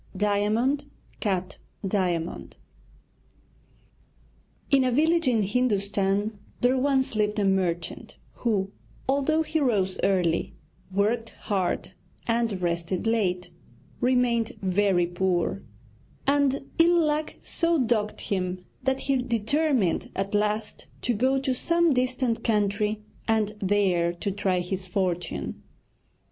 DIAMOND CUT DIAMOND In a village in Hindustan there once lived a merchant who, although he rose early, worked hard, and rested late, remained very poor; and ill luck so dogged him that he determined at last to go to some distant country and there to try his fortune.